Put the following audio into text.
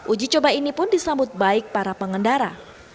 uji coba ini pun disambut baik para pengendara